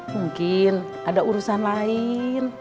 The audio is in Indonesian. mungkin ada urusan lain